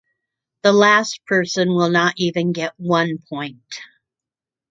The last person will not even get one point.